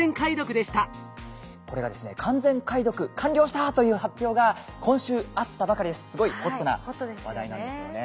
これがですね「完全解読完了した」という発表が今週あったばかりですごいホットな話題なんですよね。